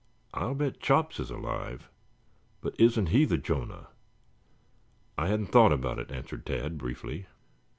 "I'll bet Chops is alive. But isn't he the Jonah?" "I hadn't thought about it," answered Tad briefly.